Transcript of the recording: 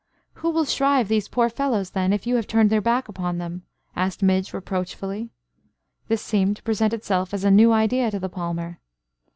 "Who will shrive these poor fellows, then, if you have turned your back upon them?" asked Midge, reproachfully. This seemed to present itself as a new idea to the palmer.